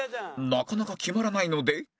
なかなか決まらないので